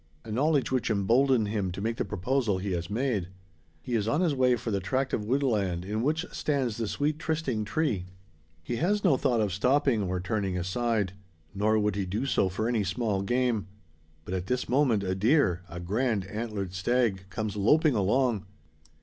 A knowledge which emboldened him to make the proposal he has made. And now, his day's hunting done, he is on his way for the tract of woodland in which stands the sweet trysting tree. He has no thought of stopping, or turning aside; nor would he do so for any small game. But at this moment a deer a grand antlered stag comes "loping" along.